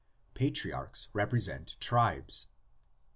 PATRIARCHS REPRESENT TRIBES.